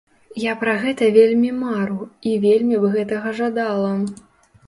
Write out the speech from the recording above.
Я пра гэта вельмі мару, і вельмі б гэтага жадала.